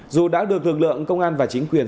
dù đã được lực lượng công an và chính quyền